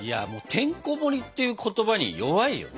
「てんこもり」っていう言葉に弱いよね。